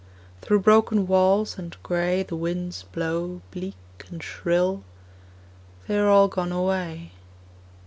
Through broken walls and gray The winds blow bleak and shrill: They are all gone away.